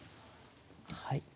はい。